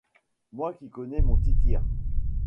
Moi qui connais mon Tityre